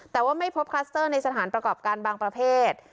แต่ว่าไม่พบคลัสเตอร์ในสถานประกอบการบางประเภท